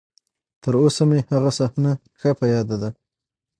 تر اوسه مې هغه صحنه ښه په ياد ده.